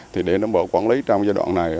thì để đồng bộ quản lý trong giai đoạn này